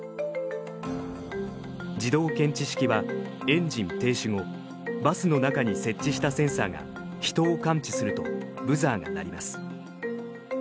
自動検知式はエンジン停止後バスの中に設置したセンサーが人を感知するとブザーが鳴ります。